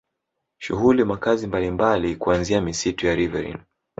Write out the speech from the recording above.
Shughuli makazi mbalimbali kuanzia misitu ya riverine